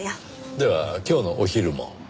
では今日のお昼も？